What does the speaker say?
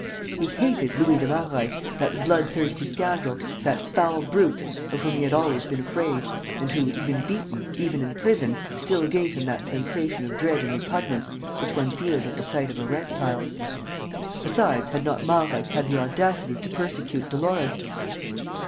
He hated Louis de Malreich, that bloodthirsty scoundrel, that foul brute, of whom he had always been afraid and who, even beaten, even in prison, still gave him that sensation of dread and repugnance which one feels at the sight of a reptile. Besides, had not Malreich had the audacity to persecute Dolores?